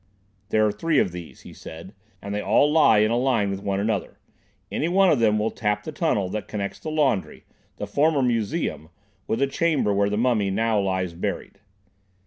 "There are three of these," he said, "and they all lie in a line with one another. Any one of them will tap the tunnel that connects the laundry—the former Museum—with the chamber where the mummy now lies buried."